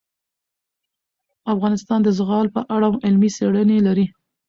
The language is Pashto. افغانستان د زغال په اړه علمي څېړنې لري.